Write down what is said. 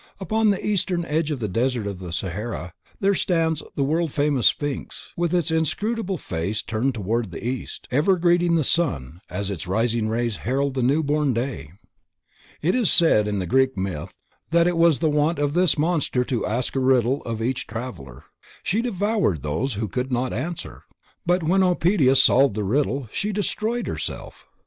Upon the Eastern edge of the Desert of Sahara there stands the world famous Sphinx with its inscrutable face turned toward the East, ever greeting the sun as its rising rays herald the newborn day. It was said in the Greek myth that it was the wont of this monster to ask a riddle of each traveler. She devoured those who could not answer, but when Oedipus solved the riddle she destroyed herself.